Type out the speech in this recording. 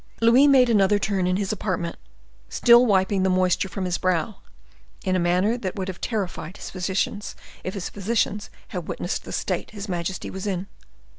Louis made another turn in his apartment, still wiping the moisture from his brow, in a manner that would have terrified his physicians, if his physicians had witnessed the state his majesty was in.